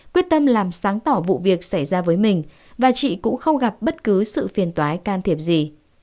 quyết tâm làm sáng tỏ vụ việc xảy ra với mình và chị cũng không gặp bất cứ sự phiền tói can thiệp gì